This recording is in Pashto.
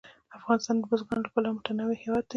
افغانستان د بزګانو له پلوه متنوع هېواد دی.